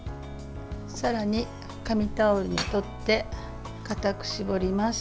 さらに紙タオルに取って固く絞ります。